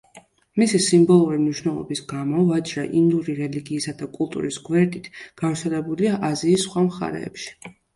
მისი სიმბოლური მნიშვნელობის გამო, ვაჯრა ინდური რელიგიისა და კულტურის გვერდით, გავრცელებულია აზიის სხვა მხარეებში.